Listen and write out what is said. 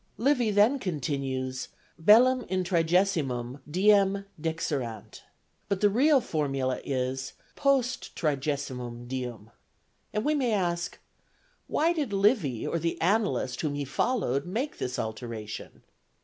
Livy then continues: bellum in trigesimum diem dixerant. But the real formula is, post trigesimum diem, and we may ask, Why did Livy or the annalist whom he followed make this alteration?